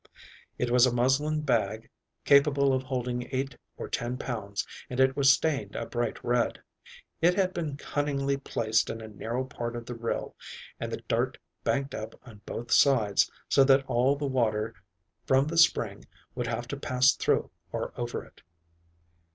It was a muslin bag capable of holding eight or ten pounds and it was stained a bright red. It had been cunningly placed in a narrow part of the rill and the dirt banked up on both sides so that all the water from the spring would have to pass through or over it.